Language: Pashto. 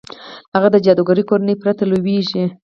هغه د جادوګرې کورنۍ پرته لوېږي.